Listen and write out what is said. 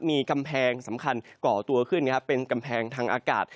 มีกำแพงสำคัญก่อตัวขึ้นเป็นกำแพงทางอากาศ